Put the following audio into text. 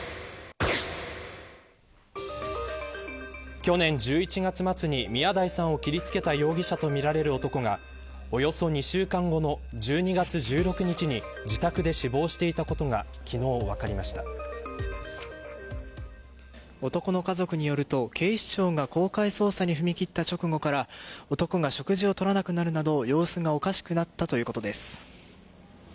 去年、１１月末に宮台さんを切りつけた容疑者とみられる男がおよそ２週間後の１２月１６日に自宅で死亡していたことが男の家族によると警視庁が公開捜査に踏み切った直後から男が食事を取らなくなるなど様子がおかしくなったということです。